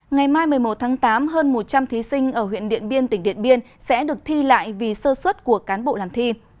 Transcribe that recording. ngày mai một mươi một tháng tám hơn một trăm linh thí sinh ở huyện điện biên tỉnh điện biên sẽ được thi lại vì sơ suất của cán bộ làm thi